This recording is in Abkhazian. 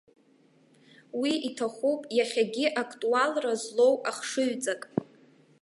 Уи иҭахуп иахьагьы актуалра злоу ахшыҩҵак.